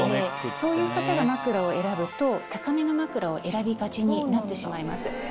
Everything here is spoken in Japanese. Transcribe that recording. そういう方が枕を選ぶと高めの枕を選びがちになってしまいます。